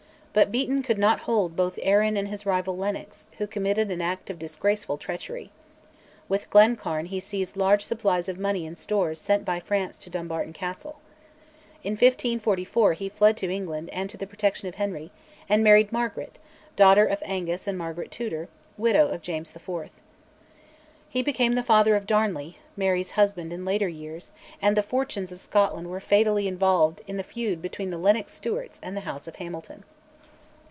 But Beaton could not hold both Arran and his rival Lennox, who committed an act of disgraceful treachery. With Glencairn he seized large supplies of money and stores sent by France to Dumbarton Castle. In 1544 he fled to England and to the protection of Henry, and married Margaret, daughter of Angus and Margaret Tudor, widow of James IV. He became the father of Darnley, Mary's husband in later years, and the fortunes of Scotland were fatally involved in the feud between the Lennox Stewarts and the House of Hamilton.